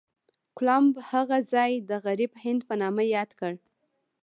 کولمب هغه ځای د غرب هند په نامه یاد کړ.